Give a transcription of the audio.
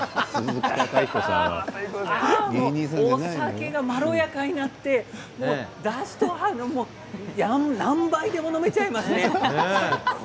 お酒は、まろやかなってだしとで、何杯も飲めてしまいますね。